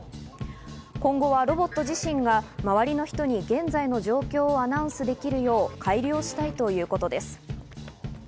今後はロボット自身が周りの人に現在の状況をアナウンスできるよう改良したいということです。